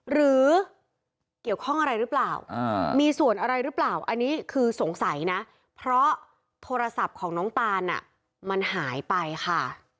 หรือเกี่ยวข้องอะไรหรือเปล่ามีส่วนอะไรหรือเปล่าอันนี้คือสงสัยนะเพราะโทรศัพท์ของน้องตานมันหายไปค่ะ